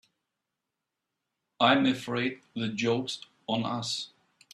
I'm afraid the joke's on us.